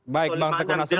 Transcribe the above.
baik bang saya tahu itu loh